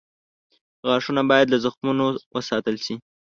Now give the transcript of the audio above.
غاښونه باید له زخمونو وساتل شي.